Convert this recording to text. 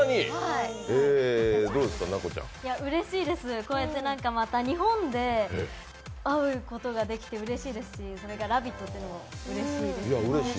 うれしいです、こうやって日本で会うことができてうれしいですしそれが「ラヴィット！」っていうのもうれしいですね。